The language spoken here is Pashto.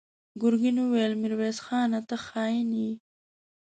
ګرګين وويل: ميرويس خانه! ته خاين يې!